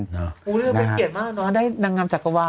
โอ้โฮก็เป็นเกียรติมากน้องได้นางงามจักรวาล